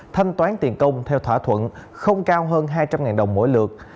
thanh toán tiền công theo thỏa thuận không cao hơn hai trăm linh đồng mỗi lượt